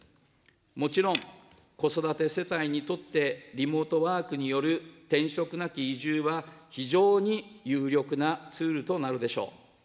もちろん、子育て世帯にとって、リモートワークによる転職なき移住は、非常に有力なツールとなるでしょう。